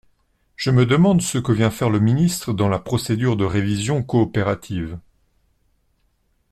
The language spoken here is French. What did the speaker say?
Je me demande ce que vient faire le ministre dans la procédure de révision coopérative.